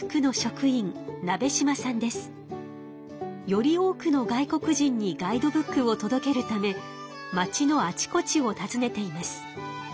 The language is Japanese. より多くの外国人にガイドブックをとどけるため街のあちこちをたずねています。